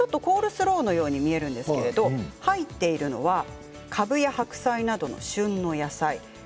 コールスローのように見えるんですけれど入っているのはかぶや白菜などの旬の野菜。